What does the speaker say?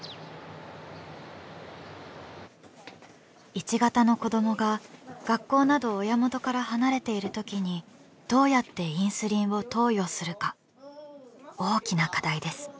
１型の子どもが学校など親元から離れているときにどうやってインスリンを投与するか大きな課題です。